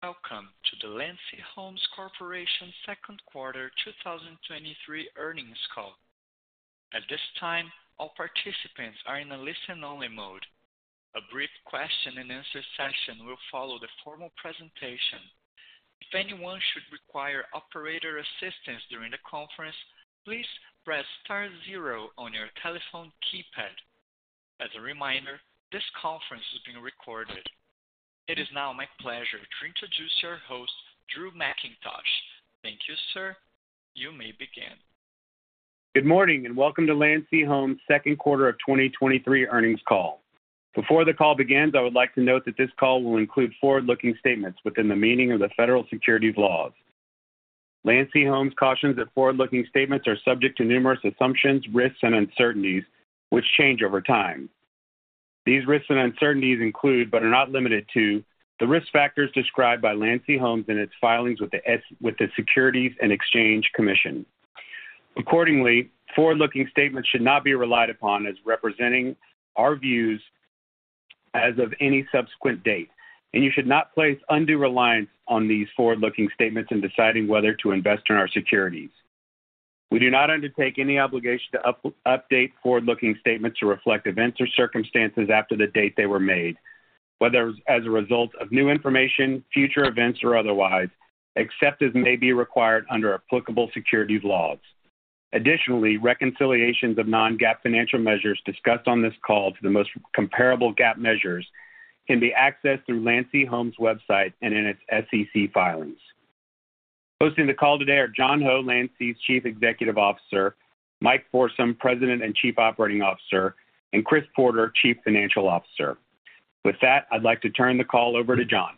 Welcome to the Landsea Homes Corporation Second Quarter 2023 Earnings Call. At this time, all participants are in a listen-only mode. A brief question-and-answer session will follow the formal presentation. If anyone should require operator assistance during the conference, please press star zero on your telephone keypad. As a reminder, this conference is being recorded. It is now my pleasure to introduce your host, Drew Mackintosh. Thank you, sir. You may begin. Good morning, welcome to Landsea Homes second quarter of 2023 earnings call. Before the call begins, I would like to note that this call will include forward-looking statements within the meaning of the federal securities laws. Landsea Homes cautions that forward-looking statements are subject to numerous assumptions, risks, and uncertainties, which change over time. These risks and uncertainties include, but are not limited to, the risk factors described by Landsea Homes in its filings with the Securities and Exchange Commission. Accordingly, forward-looking statements should not be relied upon as representing our views as of any subsequent date, and you should not place undue reliance on these forward-looking statements in deciding whether to invest in our securities. We do not undertake any obligation to update forward-looking statements to reflect events or circumstances after the date they were made, whether as a result of new information, future events, or otherwise, except as may be required under applicable securities laws. Additionally, reconciliations of non-GAAP financial measures discussed on this call to the most comparable GAAP measures can be accessed through Landsea Homes' website and in its SEC filings. Hosting the call today are John Ho, Landsea's Chief Executive Officer, Mike Forsum, President and Chief Operating Officer, and Chris Porter, Chief Financial Officer. With that, I'd like to turn the call over to John.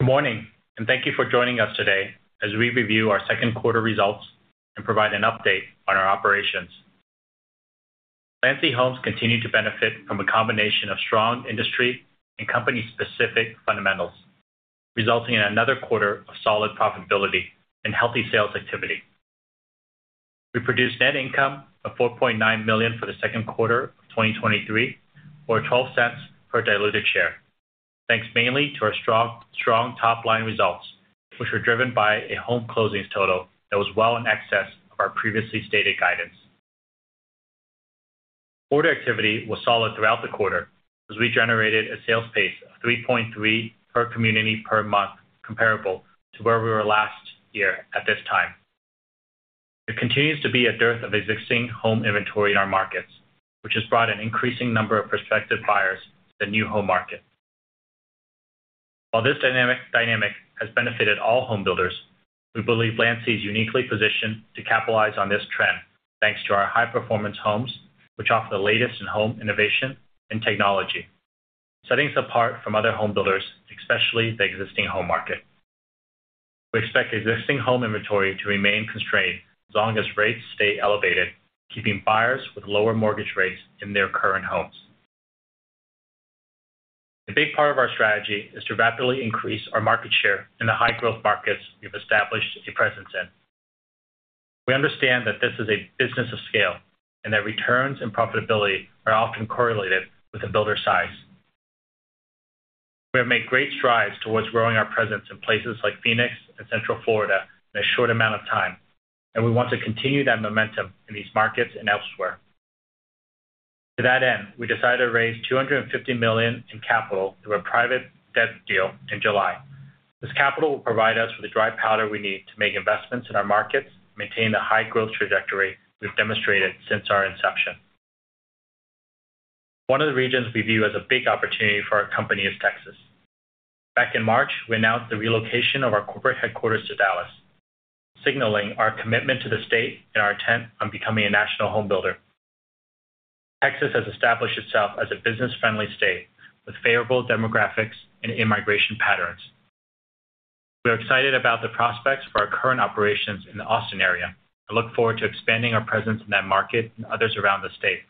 Good morning, thank you for joining us today as we review our second quarter results and provide an update on our operations. Landsea Homes continue to benefit from a combination of strong industry and company-specific fundamentals, resulting in another quarter of solid profitability and healthy sales activity. We produced net income of $4.9 million for the second quarter of 2023, or $0.12 per diluted share, thanks mainly to our strong, strong top-line results, which were driven by a home closings total that was well in excess of our previously stated guidance. Order activity was solid throughout the quarter as we generated a sales pace of 3.3 per community per month, comparable to where we were last year at this time. There continues to be a dearth of existing home inventory in our markets, which has brought an increasing number of prospective buyers to the new home market. While this dynamic has benefited all homebuilders, we believe Landsea is uniquely positioned to capitalize on this trend, thanks to our High Performance Homes, which offer the latest in home innovation and technology, setting us apart from other homebuilders, especially the existing home market. We expect existing home inventory to remain constrained as long as rates stay elevated, keeping buyers with lower mortgage rates in their current homes. A big part of our strategy is to rapidly increase our market share in the high-growth markets we've established a presence in. We understand that this is a business of scale, and that returns and profitability are often correlated with the builder size. We have made great strides towards growing our presence in places like Phoenix and Central Florida in a short amount of time, and we want to continue that momentum in these markets and elsewhere. To that end, we decided to raise $250 million in capital through a private debt deal in July. This capital will provide us with the dry powder we need to make investments in our markets and maintain the high-growth trajectory we've demonstrated since our inception. One of the regions we view as a big opportunity for our company is Texas. Back in March, we announced the relocation of our corporate headquarters to Dallas, signaling our commitment to the state and our intent on becoming a national home builder. Texas has established itself as a business-friendly state with favorable demographics and in-migration patterns. We are excited about the prospects for our current operations in the Austin area and look forward to expanding our presence in that market and others around the state,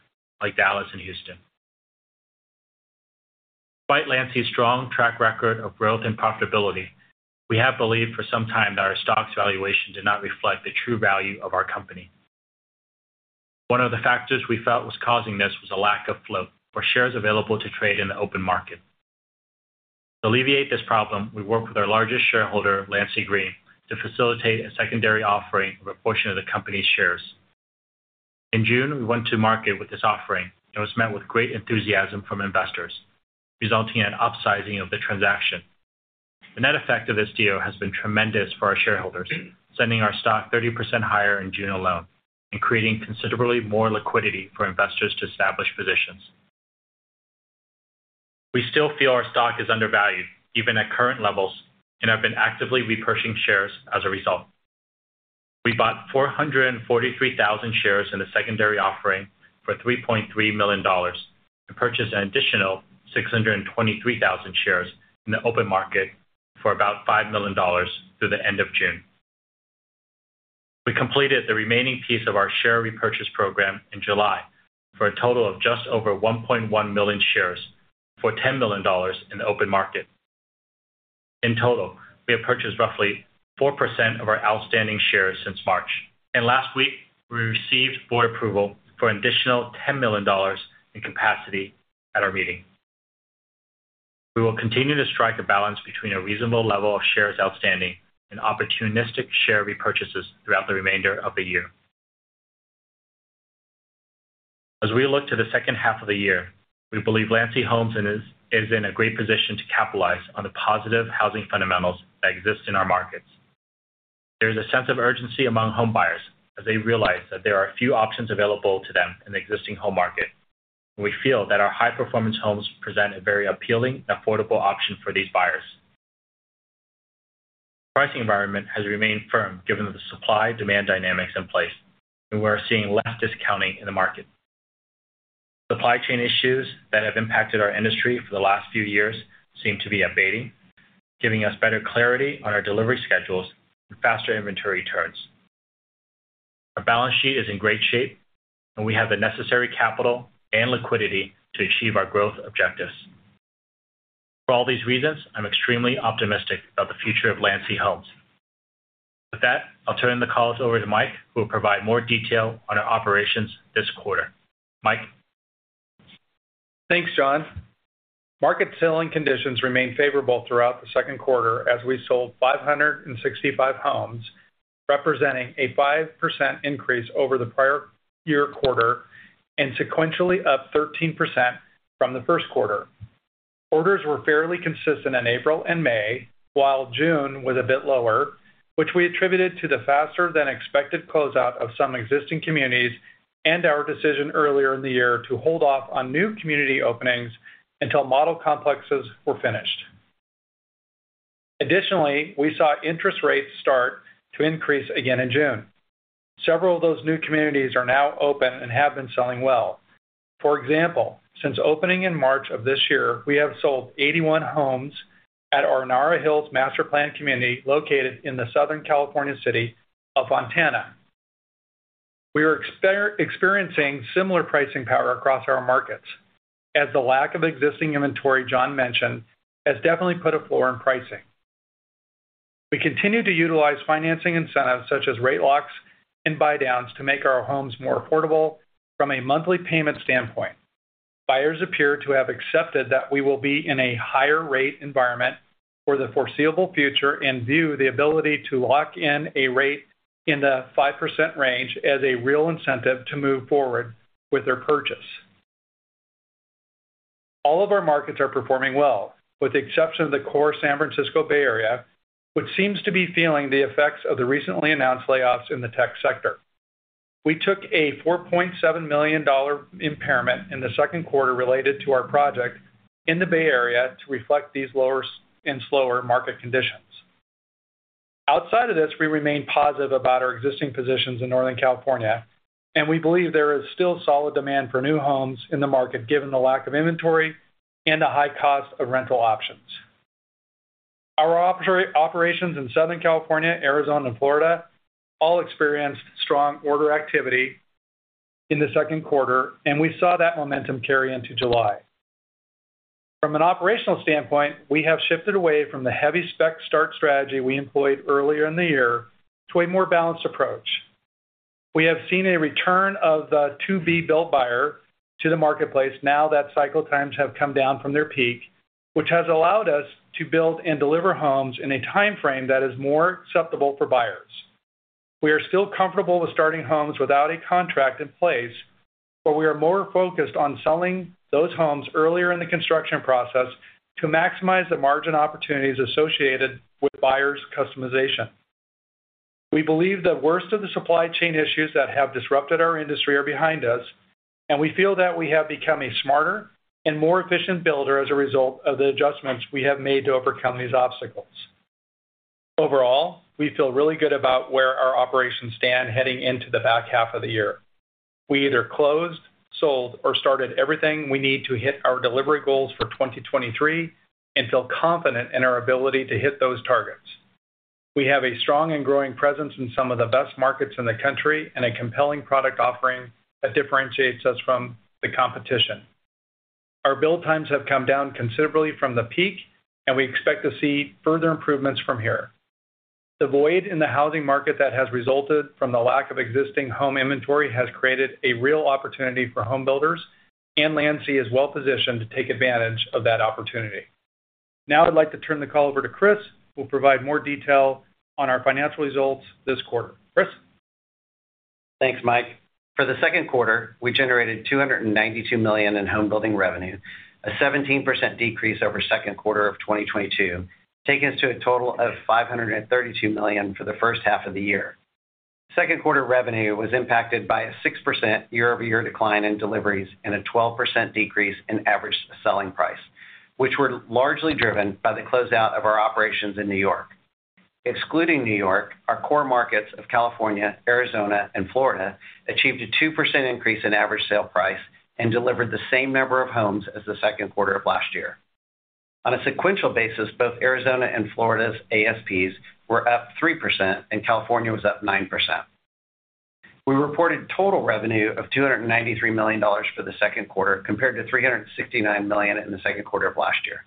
like Dallas and Houston. Despite Landsea's strong track record of growth and profitability, we have believed for some time that our stock's valuation did not reflect the true value of our company. One of the factors we felt was causing this was a lack of float, or shares available to trade in the open market. To alleviate this problem, we worked with our largest shareholder, Landsea Green, to facilitate a secondary offering of a portion of the company's shares. In June, we went to market with this offering and was met with great enthusiasm from investors, resulting in upsizing of the transaction. The net effect of this deal has been tremendous for our shareholders, sending our stock 30% higher in June alone and creating considerably more liquidity for investors to establish positions. We still feel our stock is undervalued, even at current levels, and have been actively repurchasing shares as a result. We bought 443,000 shares in the secondary offering for $3.3 million and purchased an additional 623,000 shares in the open market for about $5 million through the end of June. We completed the remaining piece of our share repurchase program in July for a total of just over 1.1 million shares for $10 million in the open market. In total, we have purchased roughly 4% of our outstanding shares since March. Last week, we received board approval for an additional $10 million in capacity at our meeting. We will continue to strike a balance between a reasonable level of shares outstanding and opportunistic share repurchases throughout the remainder of the year. As we look to the second half of the year, we believe Landsea Homes is in a great position to capitalize on the positive housing fundamentals that exist in our markets. There is a sense of urgency among home buyers as they realize that there are few options available to them in the existing home market. We feel that our High Performance Homes present a very appealing and affordable option for these buyers. Pricing environment has remained firm given the supply-demand dynamics in place. We're seeing less discounting in the market. Supply chain issues that have impacted our industry for the last few years seem to be abating, giving us better clarity on our delivery schedules and faster inventory turns. Our balance sheet is in great shape. We have the necessary capital and liquidity to achieve our growth objectives. For all these reasons, I'm extremely optimistic about the future of Landsea Homes. With that, I'll turn the call over to Mike, who will provide more detail on our operations this quarter. Mike? Thanks, John. Market selling conditions remained favorable throughout the second quarter as we sold 565 homes, representing a 5% increase over the prior year quarter, and sequentially up 13% from the first quarter. Orders were fairly consistent in April and May, while June was a bit lower, which we attributed to the faster than expected closeout of some existing communities and our decision earlier in the year to hold off on new community openings until model complexes were finished. Additionally, we saw interest rates start to increase again in June. Several of those new communities are now open and have been selling well. For example, since opening in March of this year, we have sold 81 homes at our Narra Hills master planned community, located in the Southern California city of Fontana. We are experiencing similar pricing power across our markets, as the lack of existing inventory John mentioned, has definitely put a floor in pricing. We continue to utilize financing incentives such as rate locks and buydowns to make our homes more affordable from a monthly payment standpoint. Buyers appear to have accepted that we will be in a higher rate environment for the foreseeable future, and view the ability to lock in a rate in the 5% range as a real incentive to move forward with their purchase. All of our markets are performing well, with the exception of the core San Francisco Bay Area, which seems to be feeling the effects of the recently announced layoffs in the tech sector. We took a $4.7 million impairment in the second quarter related to our project in the Bay Area to reflect these lower and slower market conditions. Outside of this, we remain positive about our existing positions in Northern California. We believe there is still solid demand for new homes in the market, given the lack of inventory and the high cost of rental options. Our operations in Southern California, Arizona, and Florida all experienced strong order activity in the second quarter. We saw that momentum carry into July. From an operational standpoint, we have shifted away from the heavy spec start strategy we employed earlier in the year to a more balanced approach. We have seen a return of the to-be-built buyer to the marketplace now that cycle times have come down from their peak, which has allowed us to build and deliver homes in a time frame that is more acceptable for buyers. We are still comfortable with starting homes without a contract in place, but we are more focused on selling those homes earlier in the construction process to maximize the margin opportunities associated with buyers' customization. We believe the worst of the supply chain issues that have disrupted our industry are behind us, and we feel that we have become a smarter and more efficient builder as a result of the adjustments we have made to overcome these obstacles. Overall, we feel really good about where our operations stand heading into the back half of the year. We either closed, sold, or started everything we need to hit our delivery goals for 2023 and feel confident in our ability to hit those targets. We have a strong and growing presence in some of the best markets in the country and a compelling product offering that differentiates us from the competition. Our build times have come down considerably from the peak, and we expect to see further improvements from here. The void in the housing market that has resulted from the lack of existing home inventory has created a real opportunity for home builders, and Landsea is well positioned to take advantage of that opportunity. Now I'd like to turn the call over to Chris, who will provide more detail on our financial results this quarter. Chris? Thanks, Mike. For the second quarter, we generated $292 million in home building revenue, a 17% decrease over second quarter of 2022, taking us to a total of $532 million for the first half of the year. Second quarter revenue was impacted by a 6% year-over-year decline in deliveries and a 12% decrease in average selling price, which were largely driven by the closeout of our operations in New York. Excluding New York, our core markets of California, Arizona, and Florida achieved a 2% increase in average sale price and delivered the same number of homes as the second quarter of last year. On a sequential basis, both Arizona and Florida's ASPs were up 3%, and California was up 9%.... We reported total revenue of $293 million for the second quarter, compared to $369 million in the second quarter of last year.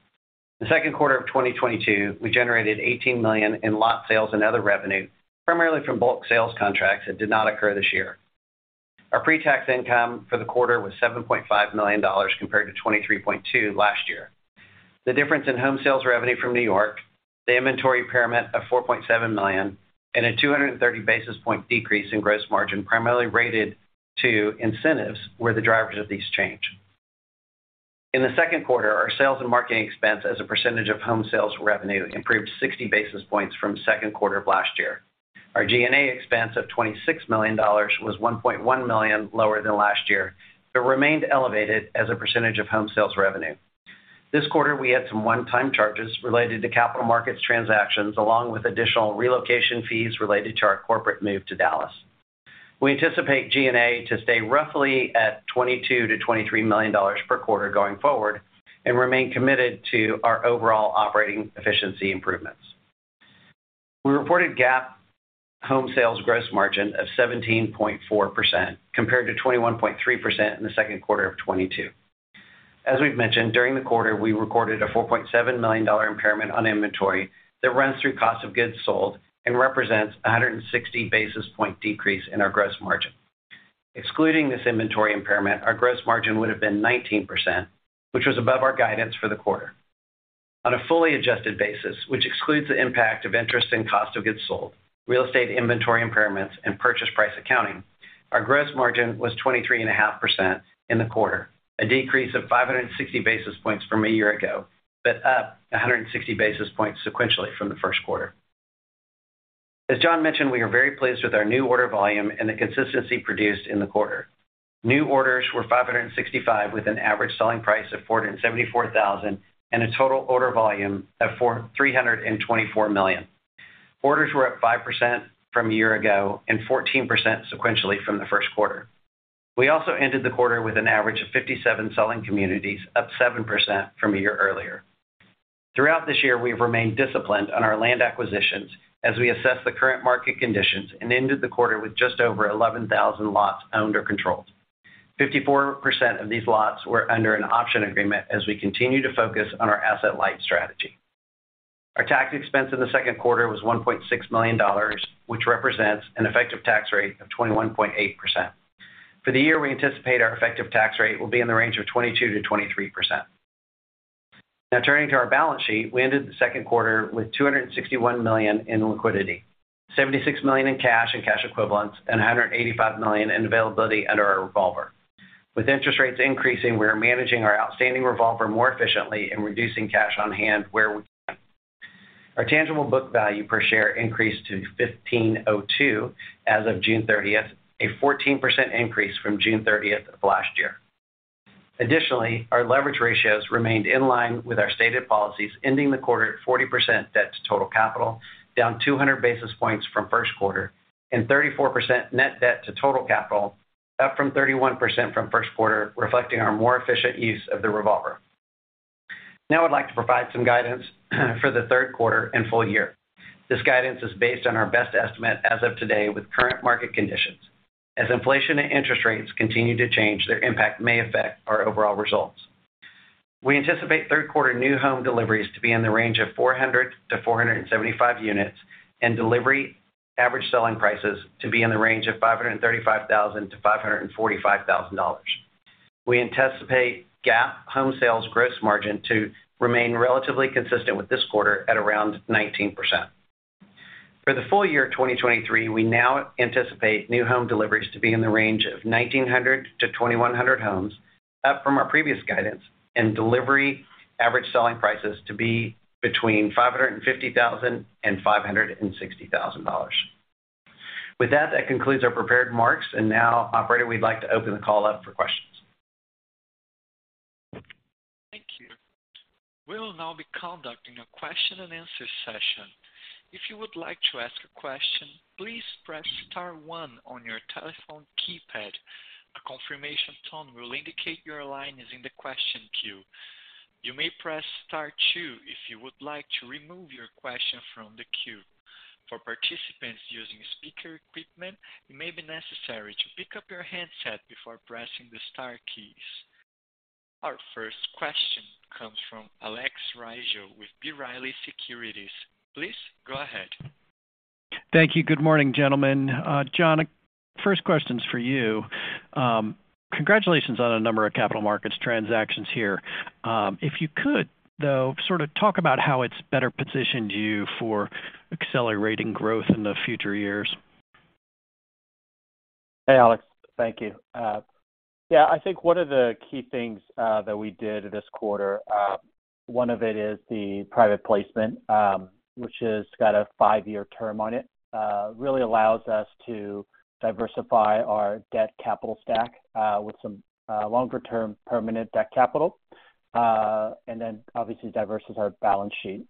The second quarter of 2022, we generated $18 million in lot sales and other revenue, primarily from bulk sales contracts that did not occur this year. Our pre-tax income for the quarter was $7.5 million, compared to $23.2 million last year. The difference in home sales revenue from New York, the inventory impairment of $4.7 million, and a 230 basis point decrease in gross margin, primarily related to incentives, were the drivers of this change. In the second quarter, our sales and marketing expense as a percentage of home sales revenue improved 60 basis points from second quarter of last year. Our G&A expense of $26 million was $1.1 million lower than last year, but remained elevated as a percent of home sales revenue. This quarter, we had some one-time charges related to capital markets transactions, along with additional relocation fees related to our corporate move to Dallas. We anticipate G&A to stay roughly at $22 million-$23 million per quarter going forward and remain committed to our overall operating efficiency improvements. We reported GAAP home sales gross margin of 17.4%, compared to 21.3% in the second quarter of 2022. As we've mentioned, during the quarter, we recorded a $4.7 million impairment on inventory that runs through cost of goods sold and represents a 160 basis point decrease in our gross margin. Excluding this inventory impairment, our gross margin would have been 19%, which was above our guidance for the quarter. On a fully adjusted basis, which excludes the impact of interest and cost of goods sold, real estate inventory impairments, and purchase price accounting, our gross margin was 23.5% in the quarter, a decrease of 560 basis points from a year-ago, up 160 basis points sequentially from the first quarter. As John mentioned, we are very pleased with our new order volume and the consistency produced in the quarter. New orders were 565, with an average selling price of $474,000, and a total order volume of $324 million. Orders were up 5% from a year-ago and 14% sequentially from the first quarter. We ended the quarter with an average of 57 selling communities, up 7% from a year earlier. Throughout this year, we have remained disciplined on our land acquisitions as we assess the current market conditions and ended the quarter with just over 11,000 lots owned or controlled. 54% of these lots were under an option agreement as we continue to focus on our asset-light strategy. Our tax expense in the second quarter was $1.6 million, which represents an effective tax rate of 21.8%. For the year, we anticipate our effective tax rate will be in the range of 22%-23%. Turning to our balance sheet. We ended the second quarter with $261 million in liquidity, $76 million in cash and cash equivalents, and $185 million in availability under our revolver. With interest rates increasing, we are managing our outstanding revolver more efficiently and reducing cash on hand where we can. Our tangible book value per share increased to $15.02 as of June 30th, a 14% increase from June 30th of last year. Additionally, our leverage ratios remained in line with our stated policies, ending the quarter at 40% debt-to-total capital, down 200 basis points from first quarter, and 34% net debt to total capital, up from 31% from first quarter, reflecting our more efficient use of the revolver. Now, I'd like to provide some guidance, for the third quarter and full year. This guidance is based on our best estimate as of today with current market conditions. As inflation and interest rates continue to change, their impact may affect our overall results. We anticipate third quarter new home deliveries to be in the range of 400-475 units, and delivery average selling prices to be in the range of $535,000-$545,000. We anticipate GAAP home sales gross margin to remain relatively consistent with this quarter at around 19%. For the full year of 2023, we now anticipate new home deliveries to be in the range of 1,900-2,100 homes, up from our previous guidance, and delivery average selling prices to be between $550,000 and $560,000. With that, that concludes our prepared remarks. Now, operator, we'd like to open the call up for questions. Thank you. We will now be conducting a question-and-answer session. If you would like to ask a question, please press star one on your telephone keypad. A confirmation tone will indicate your line is in the question queue. You may press Star two if you would like to remove your question from the queue. For participants using speaker equipment, it may be necessary to pick up your handset before pressing the star keys. Our first question comes from Alex Rygiel with B. Riley Securities. Please go ahead. Thank you. Good morning, gentlemen. John, first question is for you. Congratulations on a number of capital markets transactions here. If you could, though, sort of talk about how it's better positioned you for accelerating growth in the future years. Hey, Alex. Thank you. Yeah, I think one of the key things that we did this quarter, one of it is the private placement, which has got a five-year term on it. Really allows us to diversify our debt capital stack with some longer-term permanent debt capital. Then obviously diversify our balance sheet.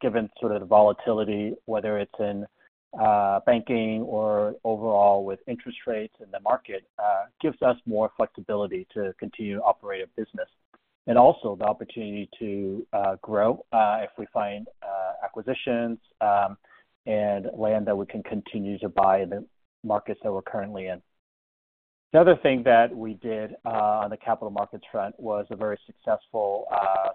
Given sort of the volatility, whether it's in banking or overall with interest rates in the market, gives us more flexibility to continue to operate a business. Also the opportunity to grow if we find acquisitions and land that we can continue to buy in the markets that we're currently in. The other thing that we did on the capital markets front was a very successful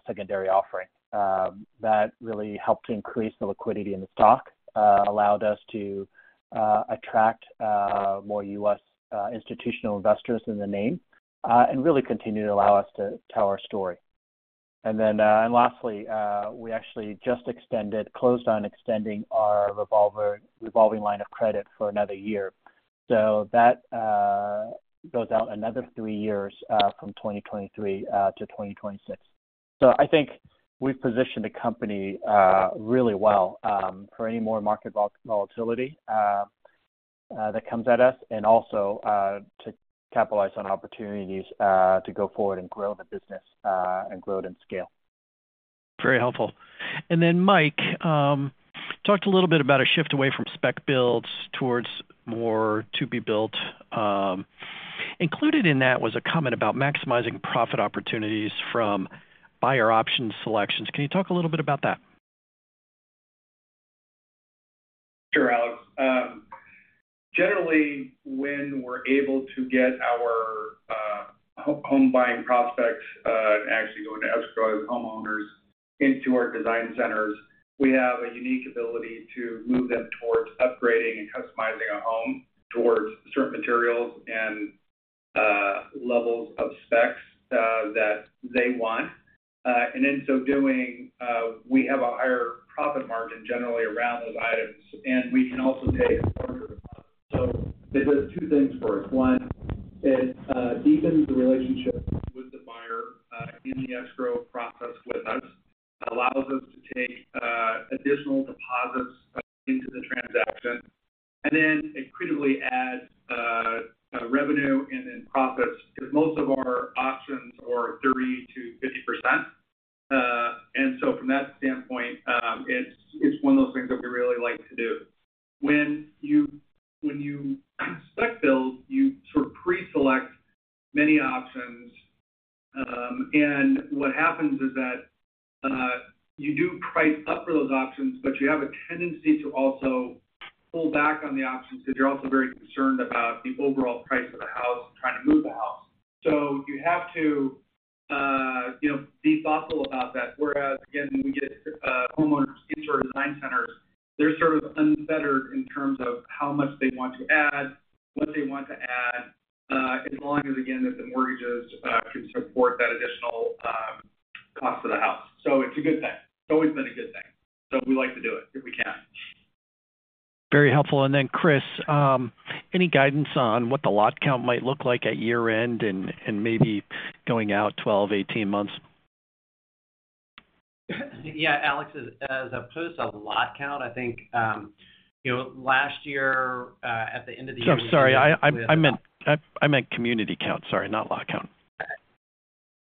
secondary offering that really helped to increase the liquidity in the stock, allowed us to attract more U.S. institutional investors in the name, and really continue to allow us to tell our story. Lastly, we actually just extended, closed on extending our revolving line of credit for another year. That goes out another three years from 2023-2026. I think we've positioned the company really well for any more market volatility that comes at us, and also to capitalize on opportunities to go forward and grow the business and grow it in scale. Very helpful. Mike, talked a little bit about a shift away from spec builds towards more to-be-built. Included in that was a comment about maximizing profit opportunities from buyer option selections. Can you talk a little bit about that? Sure, Alex. Generally, when we're able to get our home buying prospects actually go into escrow as homeowners into our design centers, we have a unique ability to move them towards upgrading and customizing a home towards certain materials and levels of specs that they want. In so doing, we have a higher profit margin generally around those items, and we can also take a larger profit. It does two things for us. One, it deepens the relationship with the buyer in the escrow process with us, allows us to take additional deposits into the transaction, and then incredibly adds revenue and then profits, because most of our options are 30%-50%. From that standpoint, it's, it's one of those things that we really like to do. When you, when you spec build, you sort of pre-select many options, and what happens is that, you do price up for those options, but you have a tendency to also pull back on the options because you're also very concerned about the overall price of the house and trying to move the house. You have to, you know, be thoughtful about that. Whereas, again, when we get homeowners into our design centers, they're sort of unfettered in terms of how much they want to add, what they want to add, as long as, again, that the mortgages can support that additional cost of the house. It's a good thing. It's always been a good thing, so we like to do it if we can. Very helpful. Then, Chris, any guidance on what the lot count might look like at year-end and, and maybe going out 12-18 months? Yeah, Alex, as opposed to a lot count, I think, you know, last year, at the end of the year- I'm sorry, I, I meant community count, sorry, not lot count.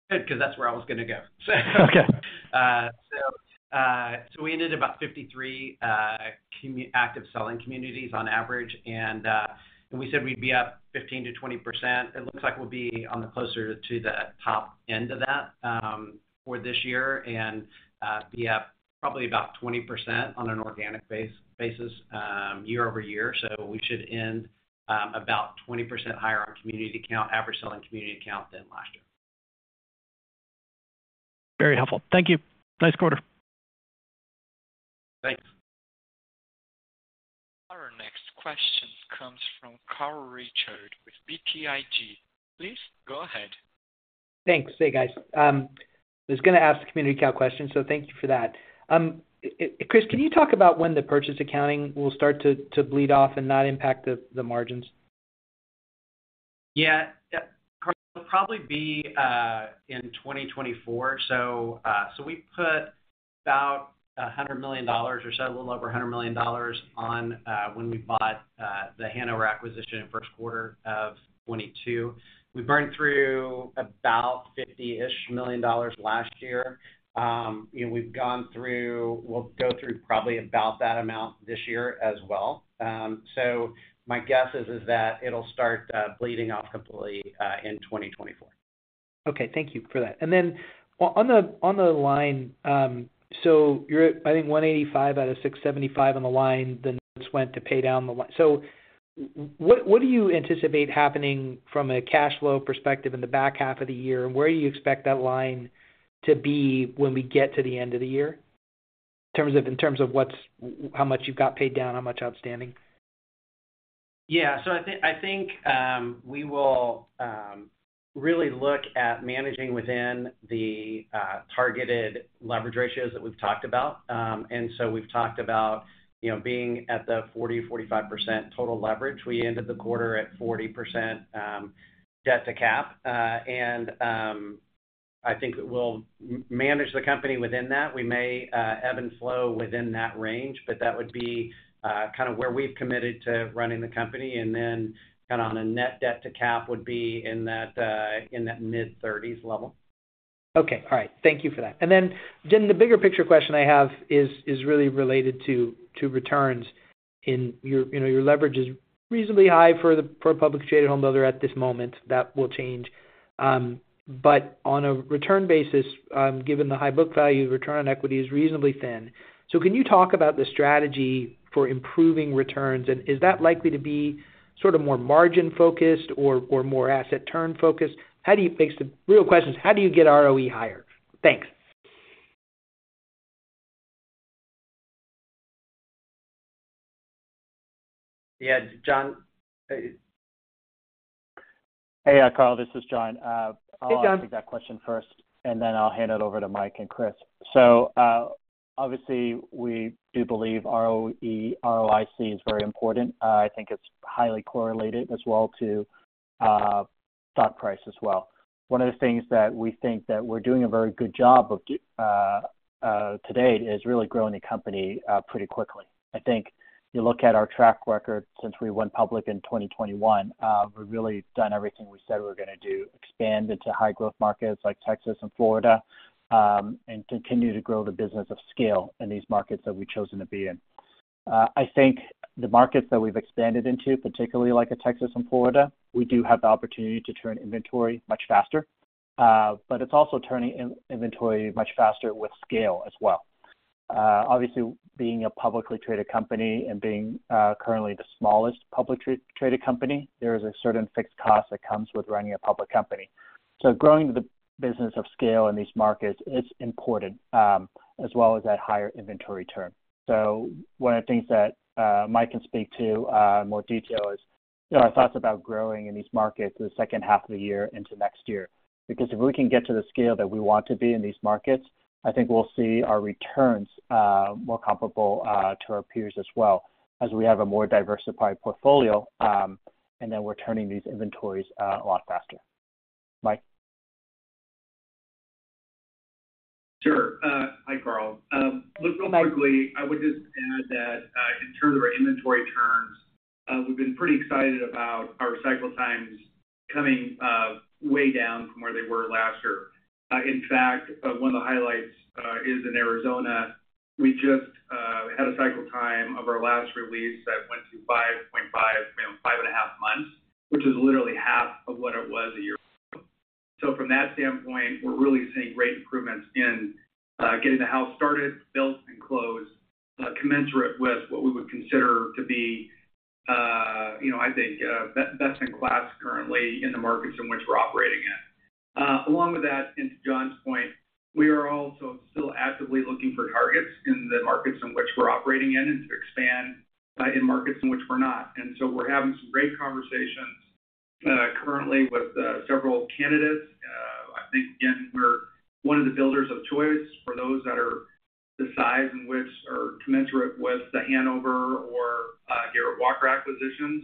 Good, because that's where I was going to go. Okay. We ended about 53 active selling communities on average, and we said we'd be up 15%-20%. It looks like we'll be on the closer to the top end of that for this year, and be up probably about 20% on an organic basis year-over-year. We should end about 20% higher on community count, average selling community count than last year. Very helpful. Thank you. Nice quarter. Thanks. Our next question comes from Carl Reichardt with BTIG. Please go ahead. Thanks. Hey, guys. I was going to ask the community count question, so thank you for that. Chris, can you talk about when the purchase accounting will start to bleed off and not impact the margins? Yeah, yeah. Carl, it'll probably be in 2024. We put about $100 million or so, a little over $100 million on when we bought the Hanover acquisition in first quarter of 2022. We burned through about $50-ish million last year. And we've gone through-- we'll go through probably about that amount this year as well. My guess is, is that it'll start bleeding off completely in 2024. Okay, thank you for that. Then on the, on the line, you're at, I think, 185 out of 675 on the line, the notes went to pay down the line. What do you anticipate happening from a cash flow perspective in the back half of the year? Where do you expect that line to be when we get to the end of the year, in terms of, in terms of what's, how much you've got paid down, how much outstanding? Yeah. So I think, I think, we will really look at managing within the targeted leverage ratios that we've talked about. So we've talked about, you know, being at the 40%-45% total leverage. We ended the quarter at 40%, debt to cap. I think we'll manage the company within that. We may ebb and flow within that range, but that would be kind of where we've committed to running the company. Then kind of on a net debt to cap would be in that in that mid-30s level. Okay. All right. Thank you for that. Then, the bigger picture question I have is, is really related to, to returns.... in your, you know, your leverage is reasonably high for the, for a public traded home builder at this moment, that will change. But on a return basis, given the high book value, return on equity is reasonably thin. Can you talk about the strategy for improving returns? Is that likely to be sort of more margin-focused or, or more asset turn-focused? How do you fix the real question is: how do you get ROE higher? Thanks. Yeah, John, Hey, Carl, this is John. Hey, John. I'll take that question first, then I'll hand it over to Mike Forsum and Chris Porter. Obviously, we do believe ROE, ROIC is very important. I think it's highly correlated as well to stock price as well. One of the things that we think that we're doing a very good job of to date, is really growing the company pretty quickly. I think you look at our track record since we went public in 2021, we've really done everything we said we were gonna do, expand into high-growth markets like Texas and Florida, continue to grow the business of scale in these markets that we've chosen to be in. I think the markets that we've expanded into, particularly like a Texas and Florida, we do have the opportunity to turn inventory much faster, but it's also turning inventory much faster with scale as well. Obviously, being a publicly traded company and being currently the smallest publicly traded company, there is a certain fixed cost that comes with running a public company. Growing the business of scale in these markets is important, as well as that higher inventory turn. One of the things that Mike can speak to in more detail is, you know, our thoughts about growing in these markets the second half of the year into next year. If we can get to the scale that we want to be in these markets, I think we'll see our returns, more comparable, to our peers as well, as we have a more diversified portfolio, and then we're turning these inventories, a lot faster. Mike? Sure. Hi, Carl. Look, remarkably, I would just add that, in terms of our inventory turns, we've been pretty excited about our cycle times coming way down from where they were last year. In fact, one of the highlights is in Arizona. We just had a cycle time of our last release that went to 5.5, you know, 5.5 months, which is literally half of what it was a year ago. From that standpoint, we're really seeing great improvements in getting the house started, built, and closed, commensurate with what we would consider to be, you know, I think, best in class currently in the markets in which we're operating in. Along with that, and to John's point, we are also still actively looking for targets in the markets in which we're operating in, and to expand in markets in which we're not. So we're having some great conversations currently with several candidates. I think, again, we're one of the builders of choice for those that are the size in which are commensurate with the Hanover or Garrett Walker acquisitions.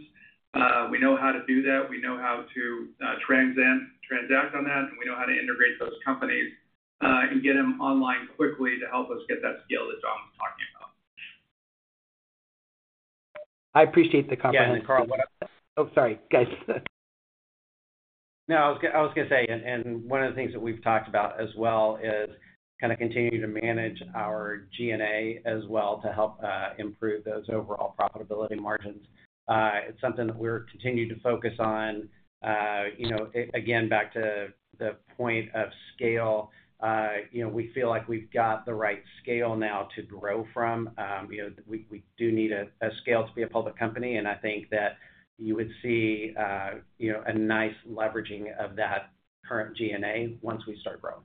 We know how to do that. We know how to transent, transact on that, and we know how to integrate those companies and get them online quickly to help us get that scale that John was talking about. I appreciate the compliment, Carl. Oh, sorry, guys. No, I was, I was gonna say, and, and one of the things that we've talked about as well is kind of continuing to manage our G&A as well, to help improve those overall profitability margins. It's something that we're continuing to focus on. You know, again, back to the point of scale, you know, we feel like we've got the right scale now to grow from. You know, we, we do need a, a scale to be a public company, and I think that you would see, you know, a nice leveraging of that current G&A once we start growing.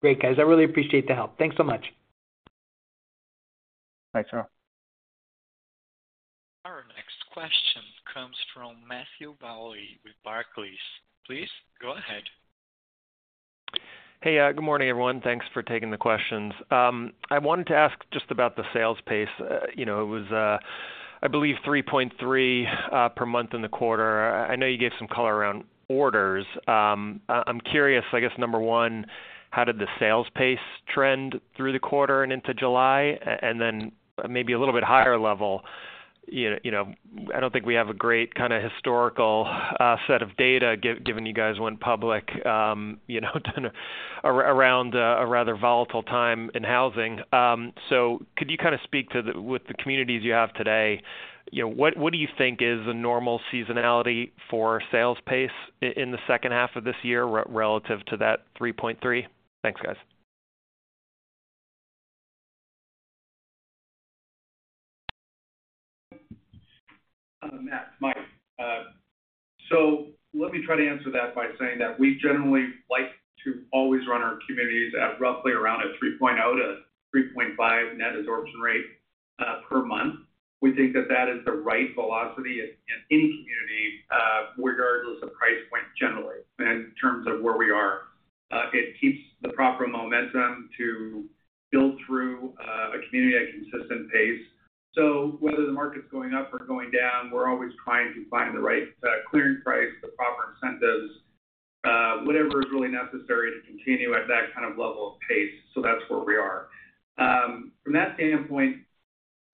Great, guys. I really appreciate the help. Thanks so much. Thanks, Carl. Our next question comes from Matthew Bouley with Barclays. Please go ahead. Hey, good morning, everyone. Thanks for taking the questions. I wanted to ask just about the sales pace. You know, it was, I believe 3.3 per month in the quarter. I, I know you gave some color around orders. I'm curious, I guess, number one, how did the sales pace trend through the quarter and into July? And then maybe a little bit higher level, you know, you know, I don't think we have a great kind of historical set of data giving you guys went public, you know, around a rather volatile time in housing. Could you kind of speak to with the communities you have today, you know, what, what do you think is the normal seasonality for sales pace in the second half of this year, relative to that 3.3? Thanks, guys. Matt, Mike. Let me try to answer that by saying that we generally like to always run our communities at roughly around a 3.0-3.5 net absorption rate per month. We think that that is the right velocity in, in any community, regardless of price point, generally, in terms of where we are. It keeps the proper momentum to build through a community at a consistent pace. Whether the market's going up or going down, we're always trying to find the right clearing price, the proper incentives, whatever is really necessary to continue at that kind of level of pace. That's where we are. From that standpoint,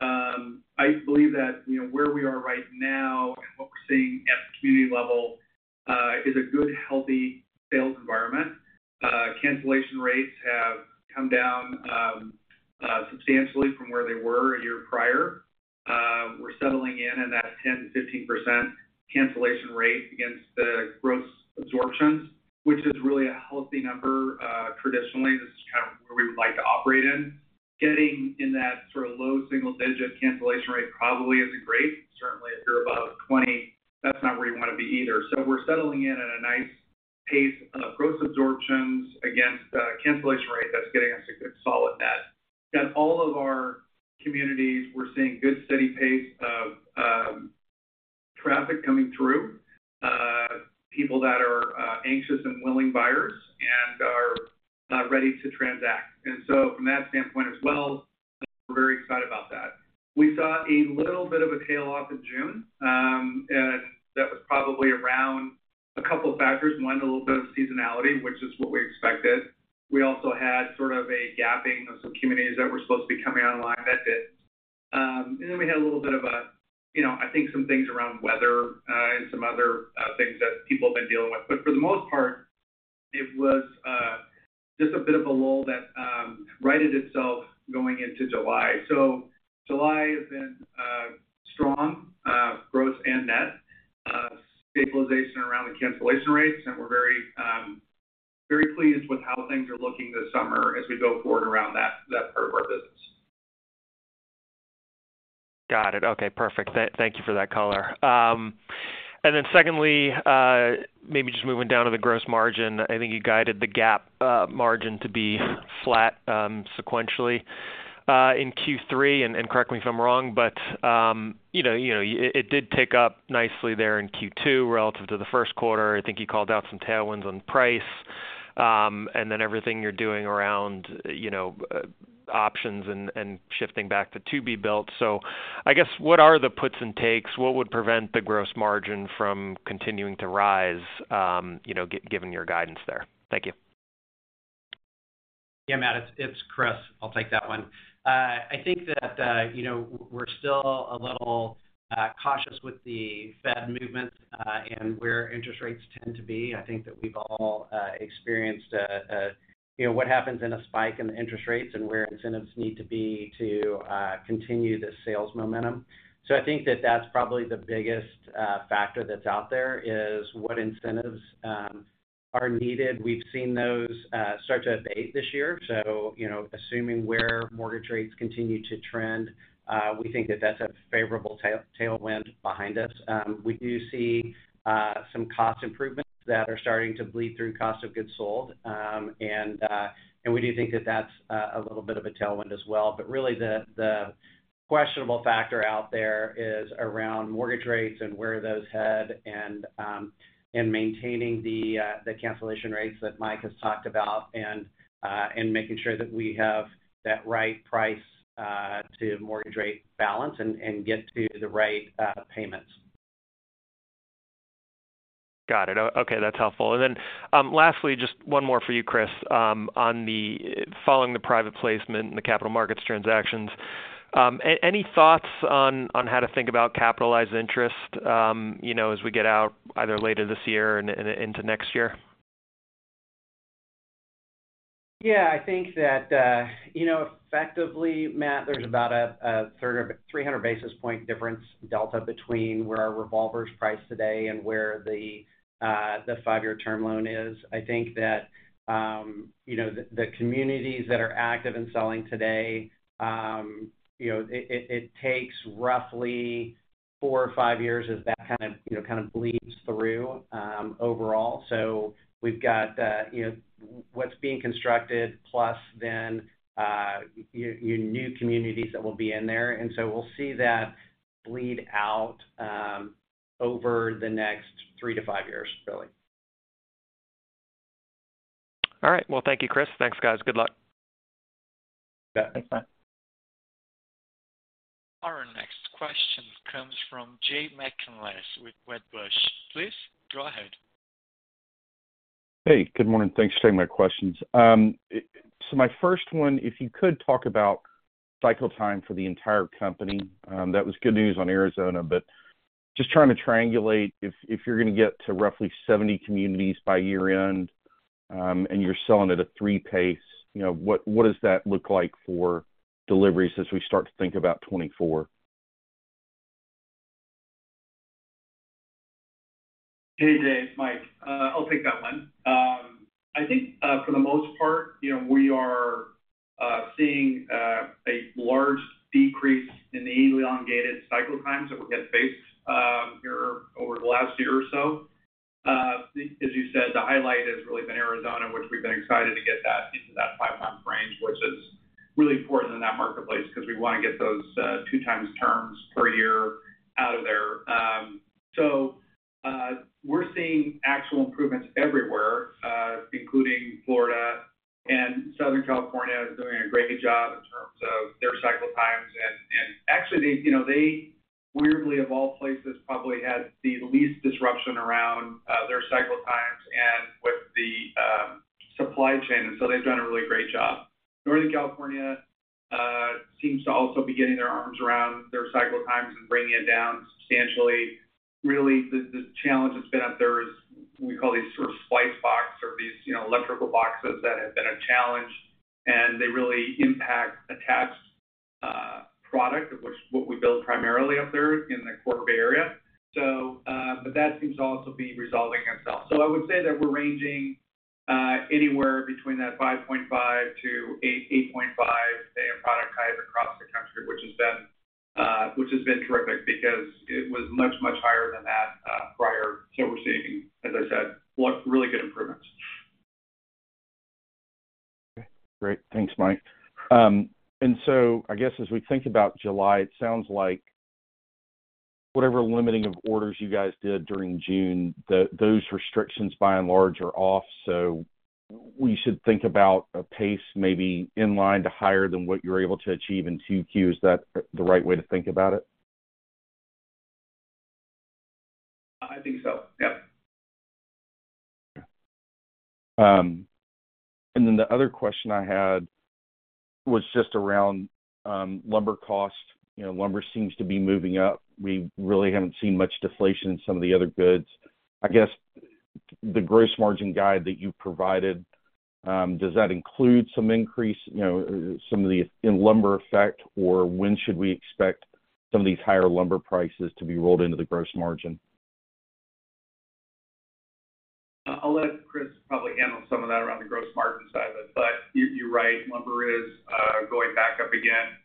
I believe that, you know, where we are right now and what we're seeing at the community level, is a good, healthy sales environment. Cancellation rates have come down substantially from where they were a year prior. We're settling in in that 10%-15% cancellation rate against the gross absorptions, which is really a healthy number. Traditionally, this is kind of where we would like to operate in. Getting in that sort of low single-digit cancellation rate probably isn't great. Certainly, if you're above 20, that's not where you wanna be either. We're settling in at a nice pace of gross absorptions against cancellation rate that's getting us a good solid net. In all of our communities, we're seeing good, steady pace of traffic coming through, people that are anxious and willing buyers and are ready to transact. From that standpoint as well, we're very excited about that. We saw a little bit of a tail-off in June, and that was probably around a couple of factors. One, a little bit of seasonality, which is what we expected. We also had sort of a gapping of some communities that were supposed to be coming online that didn't. And then we had a little bit of a, you know, I think some things around weather, and some other things that people have been dealing with. But for the most part, it was just a bit of a lull that righted itself going into July. So July has been strong growth and net stabilization around the cancellation rates, and we're very pleased with how things are looking this summer as we go forward around that, that part of our business. Got it. Okay, perfect. Thank you for that color. And then secondly, maybe just moving down to the gross margin. I think you guided the GAAP margin to be flat sequentially in Q3, and correct me if I'm wrong, but it did pick up nicely there in Q2 relative to the first quarter. I think you called out some tailwinds on price, and then everything you're doing around options and shifting back to to-be built. So I guess, what are the puts and takes? What would prevent the gross margin from continuing to rise given your guidance there? Thank you. Yeah, Matthew, it's, it's Chris. I'll take that one. I think that, you know, we're still a little cautious with the Federal Reserve movement and where interest rates tend to be. I think that we've all experienced, you know, what happens in a spike in the interest rates and where incentives need to be to continue the sales momentum. I think that that's probably the biggest factor that's out there, is what incentives are needed. We've seen those start to abate this year. You know, assuming where mortgage rates continue to trend, we think that that's a favorable tailwind behind us. We do see some cost improvements that are starting to bleed through cost of goods sold. We do think that that's a little bit of a tailwind as well. Really, the questionable factor out there is around mortgage rates and where those head and, and maintaining the cancellation rates that Mike has talked about, and, and making sure that we have that right price to mortgage rate balance and, and get to the right payments. Got it. Okay, that's helpful. Then, lastly, just one more for you, Chris. Following the private placement and the capital markets transactions, any thoughts on how to think about capitalized interest, you know, as we get out either later this year and into next year? Yeah, I think that, you know, effectively, Matt, there's about a third of a 300 basis point difference delta between where our revolver's priced today and where the five-year term loan is. I think that, you know, the communities that are active in selling today, you know, it, it, it takes roughly four or five years as that kind of, you know, kind of bleeds through overall. We've got, you know, what's being constructed plus then, your, your new communities that will be in there, and so we'll see that bleed out over the next three to five years, really. All right. Well, thank you, Chris. Thanks, guys. Good luck. Yeah, thanks, Matt. Our next question comes from Jay McCanless with Wedbush. Please go ahead. Hey, good morning. Thanks for taking my questions. My first one, if you could talk about cycle time for the entire company, that was good news on Arizona, but just trying to triangulate if, if you're gonna get to roughly 70 communities by year-end, and you're selling at a three pace, you know, what, what does that look like for deliveries as we start to think about 2024? Hey, Jay, Mike, I'll take that one. I think, for the most part, you know, we are seeing a large decrease in the elongated cycle times that we had faced here over the last year or so. As you said, the highlight has really been Arizona, which we've been excited to get that into that 5-month range, which is really important in that marketplace because we wanna get those 2 times terms per year out of there. We're seeing actual improvements everywhere, including Florida and Southern California is doing a great job in terms of their cycle times. Actually, they, you know, they weirdly, of all places, probably had the least disruption around their cycle times and with the supply chain, they've done a really great job. Northern California seems to also be getting their arms around their cycle times and bringing it down substantially. Really, the challenge that's been up there is we call these sort of splice box or these, you know, electrical boxes that have been a challenge, and they really impact attached product, of which what we build primarily up there in the Bay Area area. That seems to also be resolving itself. I would say that we're ranging anywhere between that 5.5-80.5 day of product type across the country, which has been which has been terrific because it was much, much higher than that prior. We're seeing, as I said, what really good improvements. Great. Thanks, Mike. I guess as we think about July, it sounds like whatever limiting of orders you guys did during June, the, those restrictions, by and large, are off, so we should think about a pace maybe in line to higher than what you're able to achieve in 2Q. Is that the right way to think about it? I think so. Yep. Yeah. Then the other question I had was just around lumber cost. You know, lumber seems to be moving up. We really haven't seen much deflation in some of the other goods. I guess, the gross margin guide that you provided, does that include some increase, you know, some of the in lumber effect, or when should we expect some of these higher lumber prices to be rolled into the gross margin? I'll let Chris probably handle some of that around the gross margin side of it. You, you're right, lumber is going back up again.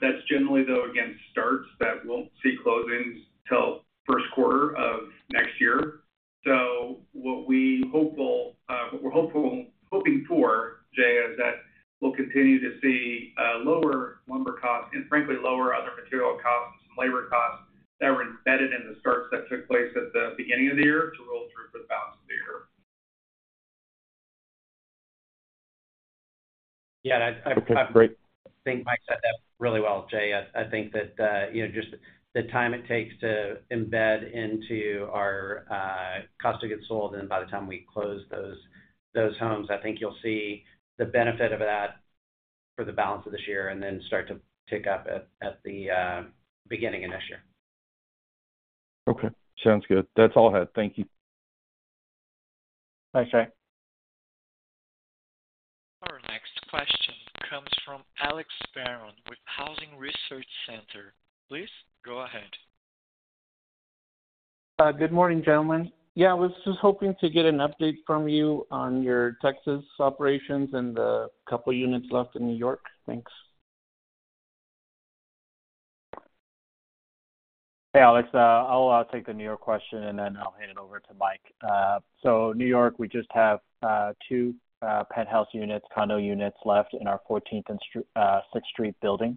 That's generally, though, again, starts that won't see closings till first quarter of next year. What we hopeful, what we're hopeful, hoping for, Jay, is that we'll continue to see lower lumber costs and frankly, lower other material costs and some labor costs that were embedded in the starts that took place at the beginning of the year to roll through for the balance of the year. Yeah, I... Okay, great. I think Mike said that really well, Jay. I, I think that, you know, just the time it takes to embed into our cost of goods sold, and by the time we close those homes, I think you'll see the benefit of that for the balance of this year and then start to pick up at the beginning of next year. Okay, sounds good. That's all I had. Thank you. Thanks, Jay. Our next question comes from Alex Barron with Housing Research Center. Please go ahead. Good morning, gentlemen. Yeah, I was just hoping to get an update from you on your Texas operations and the couple of units left in New York. Thanks. Hey, Alex, I'll take the New York question, then I'll hand it over to Mike. New York, we just have two penthouse units, condo units left in our 14th and Street, Sixth Avenue building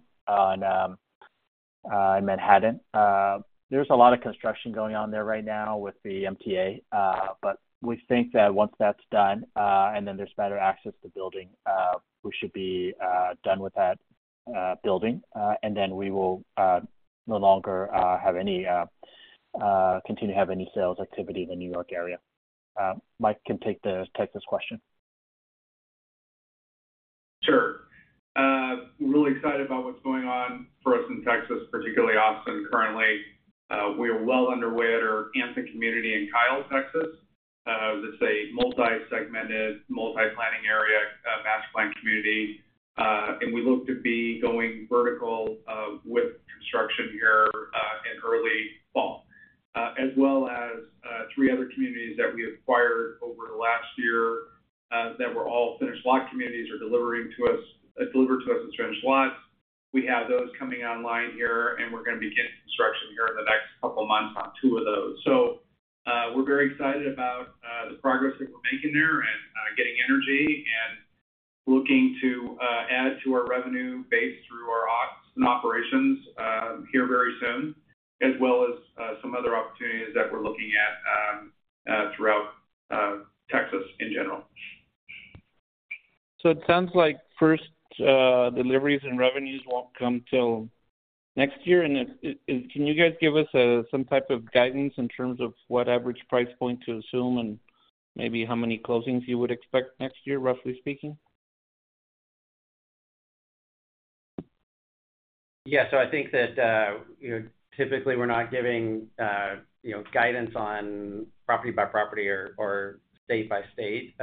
in Manhattan. There's a lot of construction going on there right now with the MTA. We think that once that's done, then there's better access to building, we should be done with that building. Then we will no longer have any continue to have any sales activity in the New York area. Mike can take the Texas question. Sure. We're really excited about what's going on for us in Texas, particularly Austin. Currently, we are well underway at our Anthem community in Kyle, Texas. That's a multi-segmented, multi-planning area, master planned community. We look to be going vertical with construction here in early fall. As well as three other communities that we acquired over the last year, that were all finished lot communities are delivering to us, delivered to us as finished lots. We have those coming online here, and we're going to be getting construction here in the next couple of months on two of those. We're very excited about the progress that we're making there and getting energy and looking to add to our revenue base through our ops and operations here very soon, as well as some other opportunities that we're looking at throughout Texas in general. It sounds like first, deliveries and revenues won't come till next year. Can you guys give us some type of guidance in terms of what average price point to assume and maybe how many closings you would expect next year, roughly speaking? Yeah. I think that, you know, typically, we're not giving, you know, guidance on property by property or, or state by state.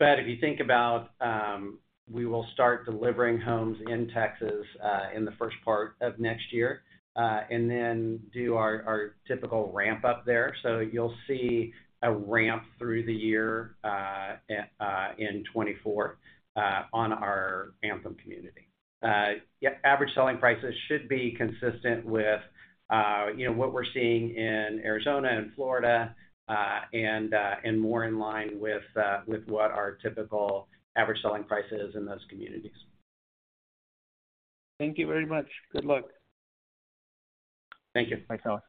If you think about, we will start delivering homes in Texas in the first part of next year, and then do our typical ramp up there. You'll see a ramp through the year in 2024 on our Anthem community. Yeah, average selling prices should be consistent with, you know, what we're seeing in Arizona and Florida, and more in line with what our typical average selling price is in those communities. Thank you very much. Good luck. Thank you. Thanks, Alex.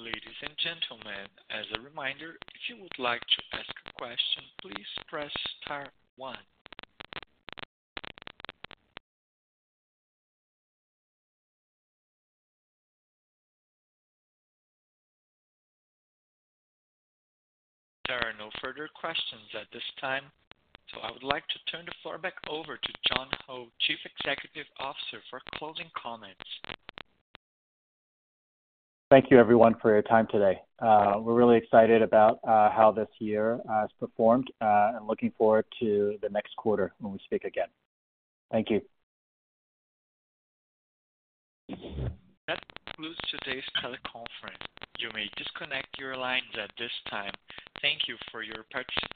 Ladies and gentlemen, as a reminder, if you would like to ask a question, please press star 1. There are no further questions at this time, I would like to turn the floor back over to John Ho, Chief Executive Officer, for closing comments. Thank you, everyone, for your time today. We're really excited about how this year has performed and looking forward to the next quarter when we speak again. Thank you. That concludes today's teleconference. You may disconnect your lines at this time. Thank you for your participation.